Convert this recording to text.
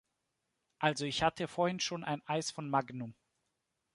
Also ich hatte vorhin schon ein Eis von Magnum.